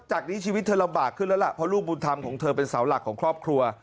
จากนี้ชีวิตเธอลำบากขึ้นแล้วล่ะเพราะลูกบุญธรรมของเธอเป็นเสาหลักของครอบครัว